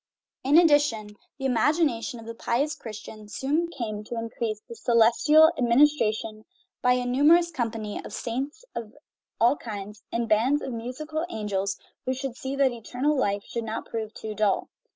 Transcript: In addition, the imagination of the pious Christian soon came to increase this celestial administration by a numerous company of "saints" of all kinds, and bands of musical angels, who should see that " eternal life" should not prove too dull.